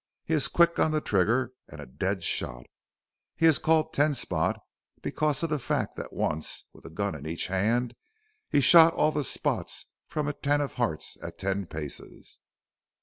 He is quick on the trigger and a dead shot. He is called Ten Spot because of the fact that once, with a gun in each hand, he shot all the spots from a ten of hearts at ten paces."